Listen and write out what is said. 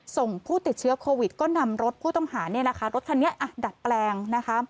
ส่งผู้ติดเชื้อโควิดก็นำรถผู้ต้องหาเนี่ยนะคะรถคันนี้อ่ะดัดแปลงนะคะ